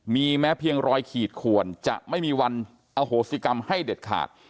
มีแม้เพียงรอยขีดขวนจะไม่มีวันอโหสิกรรมให้เด็ดขาด